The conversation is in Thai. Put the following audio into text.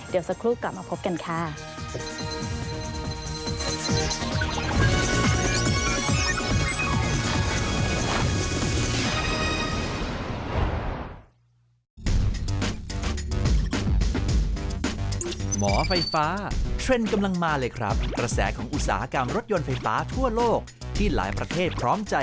เดี๋ยวสักครู่กลับมาพบกันค่ะ